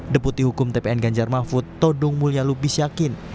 deputi hukum tpn ganjar mahfud todung mulya lubis yakin